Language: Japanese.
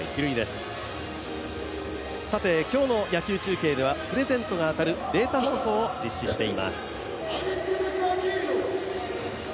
今日の野球中継ではプレゼントが当たるデータ放送を実施しています。